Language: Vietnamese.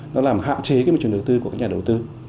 nó làm hạn chế cái môi trường đầu tư của các nhà đầu tư